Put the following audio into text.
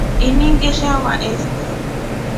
Ini ngeshawa esta.